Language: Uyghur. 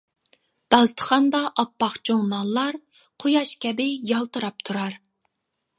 داستىخاندا ئاپئاق چوڭ نانلار، قۇياش كەبى يالتىراپ تۇرار.